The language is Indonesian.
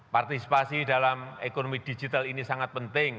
partisipasi dalam ekonomi digital ini sangat penting